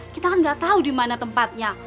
kita kan gak tau di mana tempatnya